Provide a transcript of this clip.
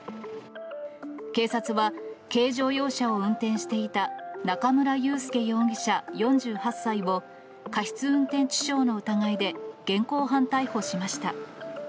警察は、軽乗用車を運転していた中村裕介容疑者４８歳を、過失運転致傷の疑いで現行犯逮捕しました。